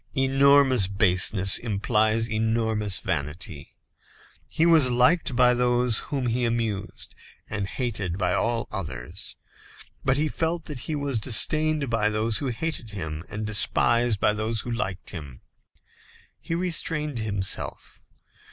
Enormous baseness implies enormous vanity. He was liked by those whom he amused, and hated by all others; but he felt that he was disdained by those who hated him, and despised by those who liked him. He restrained himself.